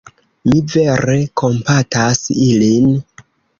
Mi vere kompatas ilin.